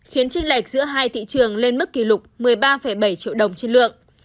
khiến tranh lệch giữa hai thị trường lên mức kỷ lục một mươi ba bảy triệu đồng trên lượng